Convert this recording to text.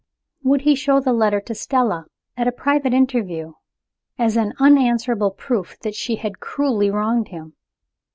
Would he show the letter to Stella, at a private interview, as an unanswerable proof that she had cruelly wronged him?